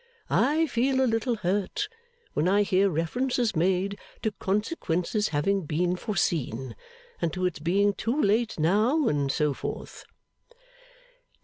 I feel a little hurt when I hear references made to consequences having been foreseen, and to its being too late now, and so forth.